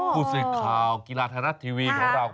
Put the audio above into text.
ฟูสิกข่าวกีฬาธนาทีวีของเรา